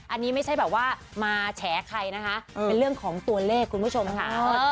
อันนี้ไม่ใช่แบบว่ามาแฉใครนะคะเป็นเรื่องของตัวเลขคุณผู้ชมค่ะ